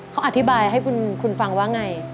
เขาอธิบายให้คุณฟังว่าไง